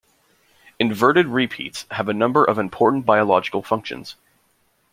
Inverted repeats have a number of important biological functions.